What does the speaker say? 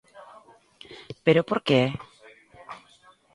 Pero ¿por que é?